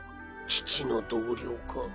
父の同僚か？